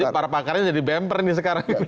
jadi para pakarnya jadi bemper nih sekarang